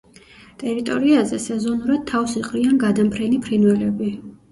ტერიტორიაზე სეზონურად თავს იყრიან გადამფრენი ფრინველები.